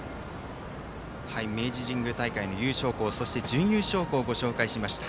明治神宮大会の優勝校そして準優勝校をご紹介しました。